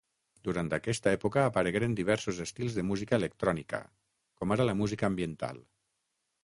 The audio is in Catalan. Durant aquesta època aparegueren diversos estils de música electrònica, com ara la música ambiental.